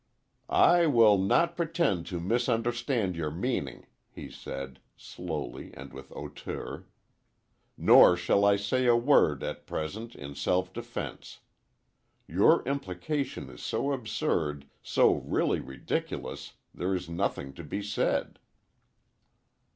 "I will not pretend to misunderstand your meaning," he said, slowly and with hauteur. "Nor shall I say a word, at present, in self defence. Your implication is so absurd, so really ridiculous, there is nothing to be said."